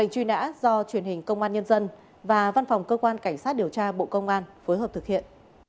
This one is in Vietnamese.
truyền hình công an nhân dân và văn phòng cơ quan cảnh sát điều tra bộ công an phối hợp thực hiện